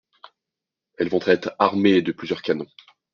Ils vont être armés de plusieurs canons.